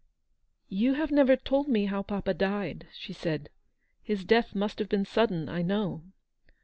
" You have never told me how papa died," she said; "his death must have been sudden, I know."